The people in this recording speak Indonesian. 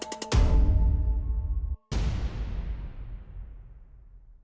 tidak ada yang bisa dipercaya